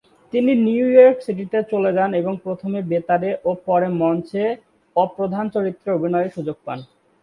তিনি New York সিটিতে চলে যান এবং প্রথমে বেতারে ও পরে মঞ্চে অপ্রধান চরিত্রে অভিনয়ের সুযোগ পান।